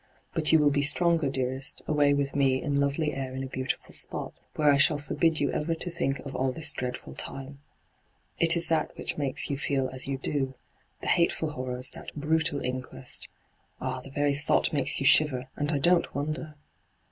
But you will be stronger, dearest, away with me in lovely air in a beauti^ spot, where I shall forbid you ever to think of all this dreadful time. It is that which makes you feel as you do —■ the hateftil horrors, that brutal inquest. Ah, the very thought makes you shiver, and I don't wonder